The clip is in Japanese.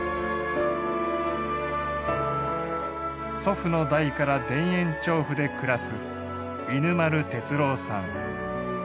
祖父の代から田園調布で暮らす犬丸徹郎さん。